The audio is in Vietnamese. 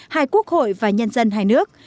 hai quốc hội và nhân dân hai nước